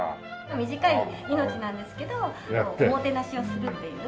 短い命なんですけどおもてなしをするっていう。